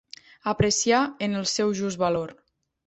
Apreciar en el seu just valor.